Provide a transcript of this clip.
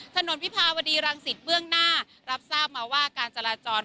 วิภาวดีรังสิตเบื้องหน้ารับทราบมาว่าการจราจร